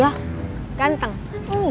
oke yang kirimushik